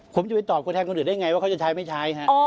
ผมจะไปตอบตัวแทนคนอื่นได้ไงว่าเขาจะใช้ไม่ใช้ฮะ